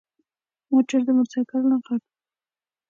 موټر د موټرسايکل نه غټ وي.